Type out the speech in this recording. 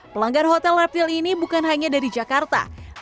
pelanggar hotel reptil ini bukan hanya diperlukan untuk mencari kura kura